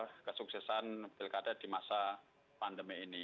dan juga kesuksesan pilkada di masa pandemi ini